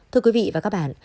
thưa quý vị và các bạn